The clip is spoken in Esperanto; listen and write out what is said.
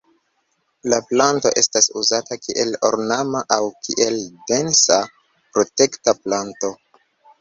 La planto estas uzata kiel ornama aŭ kiel densa protekta planto.